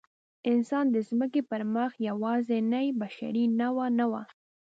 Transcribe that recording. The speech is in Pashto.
انسان د ځمکې پر مخ یواځینۍ بشري نوعه نه وه.